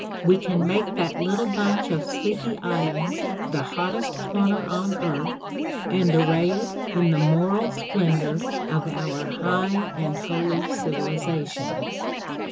... We can make that little bunch of sleepy islands the hottest corner on earth, and array it in the moral splendor of our high and holy civiliza tion.